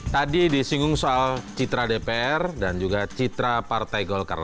tadi disinggung soal citra dpr dan juga citra partai golkar